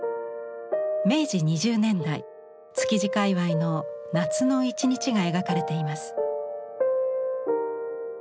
明治２０年代築地界わいの夏の一日が描かれています。